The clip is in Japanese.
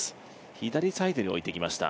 左サイドに置いてきました。